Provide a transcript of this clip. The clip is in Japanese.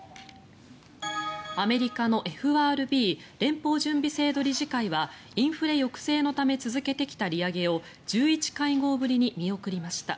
アメリカのＦＲＢ・連邦準備理事会はインフレ抑制のため続けてきた利上げを１１会合ぶりに見送りました。